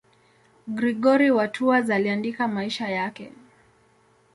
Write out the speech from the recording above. Gregori wa Tours aliandika maisha yake.